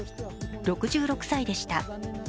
６６歳でした。